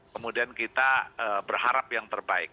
kemudian kita berharap yang terbaik